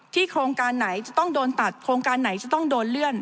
โครงการไหนจะต้องโดนตัดโครงการไหนจะต้องโดนเลื่อน